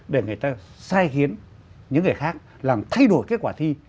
để người ta sai khiến những người khác làm thay đổi kết quả thi